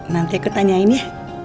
nanti aku tanyain ya